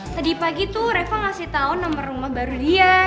tadi pagi tuh reva ngasih tahu nomor rumah baru dia